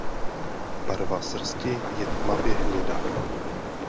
Barva srsti je tmavě hnědá.